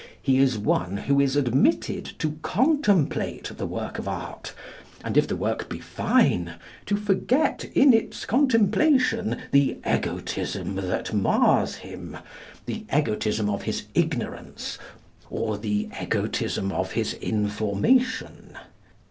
He is one who is admitted to contemplate the work of art, and, if the work be fine, to forget in its contemplation and the egotism that mars him—the egotism of his ignorance, or the egotism of his information.